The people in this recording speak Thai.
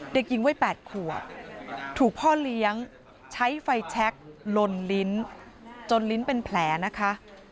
เด็กหญิงวัย๘ขวบถูกพ่อเลี้ยงใช้ไฟแช็คลนลิ้นจนลิ้นเป็นแผลนะคะ